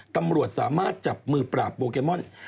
ตำรวจสามารถจับมือปราบโปเกมอน